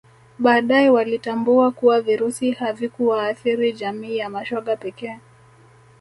Baadae walitambua kuwa Virusi havikuwaathiri jamii ya mashoga pekee